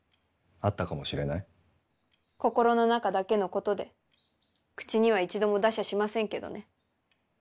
心の中だけのことで口には一度も出しゃしませんけどね。